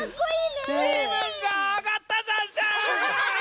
きぶんがあがったざんす！